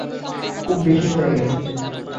খুব বেশি হয়ে গেলো।